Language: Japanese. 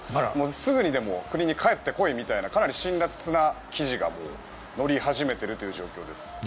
すぐにでも国に帰ってこいみたいなかなり辛らつな記事が載り始めている状況です。